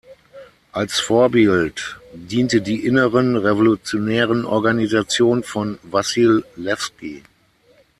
Als Vorbild diente die Inneren Revolutionären Organisation von Wassil Lewski.